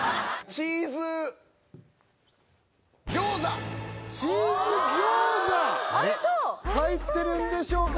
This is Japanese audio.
チーズ餃子！入ってるんでしょうか？